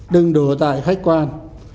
đừng đùa tại khách quan